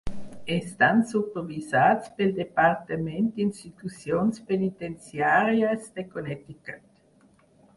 Estan supervisats pel Departament d'Institucions Penitenciàries de Connecticut.